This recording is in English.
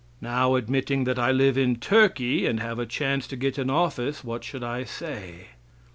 Now, admitting that I live in Turkey, and have a chance to get an office, what should I say?